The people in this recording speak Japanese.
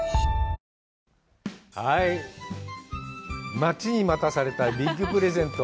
待ちに待たされたビッグプレゼント。